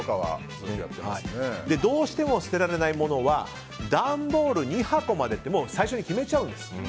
どうしても捨てられないものは段ボール２箱までって最初に決めちゃうんです。